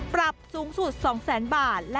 ปรับสูงสุด๒๐๐๐๐๐บาท